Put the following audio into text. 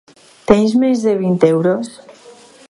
Tens menys de vint euros?